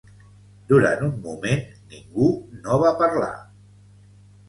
Durant un moment ningú no va parlar.